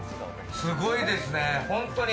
すごいですね、本当に。